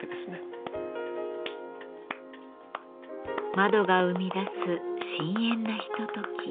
窓が生み出す深遠なひととき。